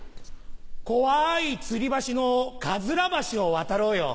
怖いつり橋のかずら橋を渡ろうよ。